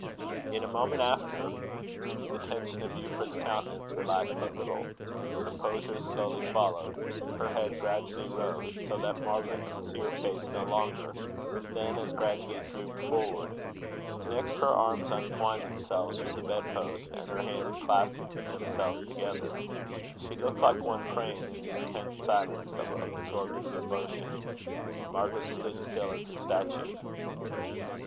In a moment after the tension of Euphra's countenance relaxed a little; composure slowly followed; her head gradually rose, so that Margaret could see her face no longer; then, as gradually, drooped forward. Next her arms untwined themselves from the bed post, and her hands clasped themselves together. She looked like one praying in the intense silence of absorbing devotion. Margaret stood still as a statue.